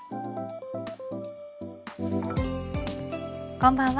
こんばんは。